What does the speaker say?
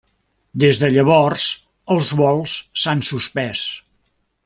Des de llavors els vols s'han suspès.